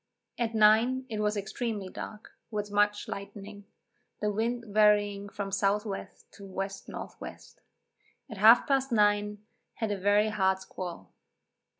At nine it was extremely dark, with much lightning, the wind varying from S. W. to W. N. W. At half past nine, had a very hard squall.